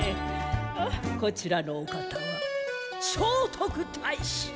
こちらのおかたは聖徳太子。